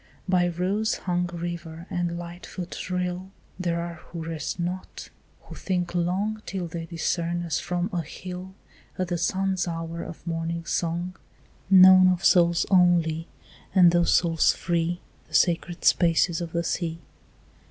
By rose hung river and light foot rill There are who rest not; who think long Till they discern as from a hill At the sun's hour of morning song, Known of souls only, and those souls free, The sacred spaces of the sea.